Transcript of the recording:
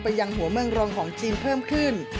ยังหัวเมืองรองของจีนเพิ่มขึ้น